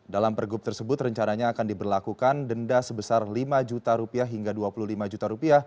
dalam pergub tersebut rencananya akan diberlakukan denda sebesar lima juta rupiah hingga dua puluh lima juta